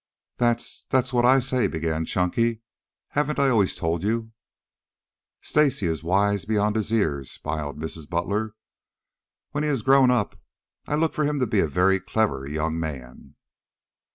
"That that's what I say," began Chunky. "Haven't I always told you " "Stacy is wise beyond his years," smiled Mrs. Butler. "When he is grown up I look for him to be a very clever young man."